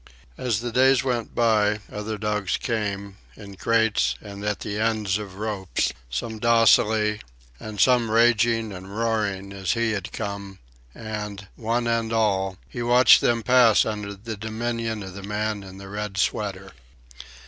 As the days went by, other dogs came, in crates and at the ends of ropes, some docilely, and some raging and roaring as he had come; and, one and all, he watched them pass under the dominion of the man in the red sweater.